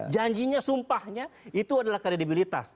janjinya sumpahnya itu adalah kredibilitas